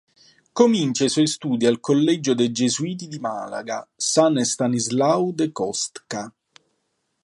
Comincia i suoi studi al collegio dei gesuiti di Malaga “San Estanislao de Kostka”.